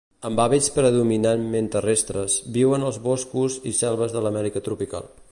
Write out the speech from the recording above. Amb hàbits predominantment terrestres, viuen als boscos i selves de l'Amèrica tropical.